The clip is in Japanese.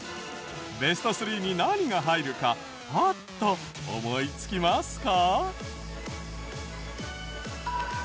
ベスト３に何が入るかパッと思いつきますか？